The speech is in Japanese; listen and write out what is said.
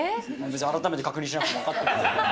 改めて確認しなくても分かってますから。